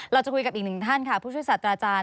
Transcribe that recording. เราจะคุยกับอีกหนึ่งท่านค่ะผู้ช่วยศาสตราจารย